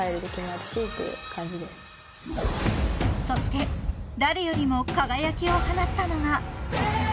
［そして誰よりも輝きを放ったのが］